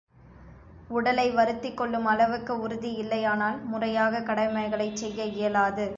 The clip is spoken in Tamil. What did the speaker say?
உடலை வருத்திக் கொள்ளும் அளவுக்கு உறுதி இல்லையானால் முறையாகக் கடமைகளைச் செய்ய இயலாது.